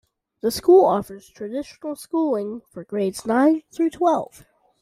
The school offers traditional schooling for grades nine through twelve.